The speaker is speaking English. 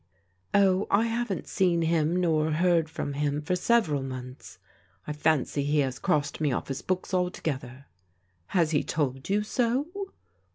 '*" Oh, I haven't seen him, nor heard from him for sev eral months. I fancy he has crossed me off his books al together." " Has he told you so